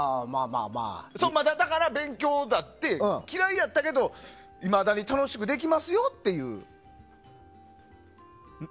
だから勉強だって嫌いやったけど、いまだに楽しくできますよっていう。